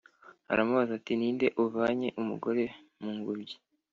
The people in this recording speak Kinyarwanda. aramubaza ati"ninde uvanye umugore mungobyi"